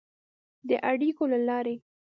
د اړیکو له لارې